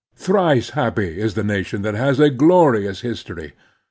Thrice happy is the nation that has a glorious history.